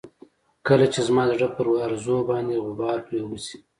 کله چې زما د زړه پر ارزو باندې غبار پرېوځي.